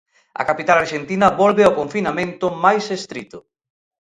A capital arxentina volve ao confinamento máis estrito.